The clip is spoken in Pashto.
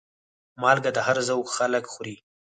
مالګه د هر ذوق خلک خوري.